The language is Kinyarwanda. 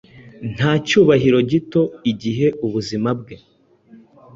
Nta cyubahiro gitoigihe ubuzima bwe